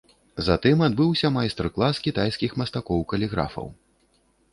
Затым адбыўся майстар-клас кітайскіх мастакоў-каліграфаў.